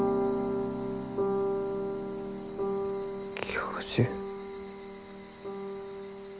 教授？